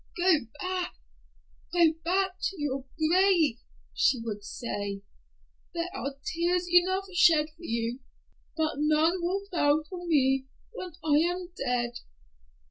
"Go back—go back to your grave," she would say; "there are tears enough shed for you, but none will fall for me when I am dead.